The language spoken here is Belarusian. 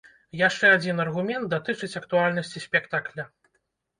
Яшчэ адзін аргумент датычыць актуальнасці спектакля.